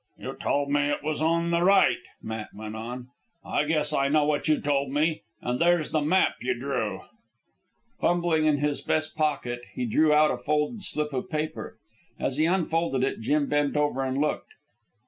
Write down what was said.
"You told me it was on the right," Matt went on. "I guess I know what you told me, an' there's the map you drew." Fumbling in his vest pocket, he drew out a folded slip of paper. As he unfolded it, Jim bent over and looked.